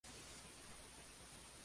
Cantó el tema "Tivoli Nights".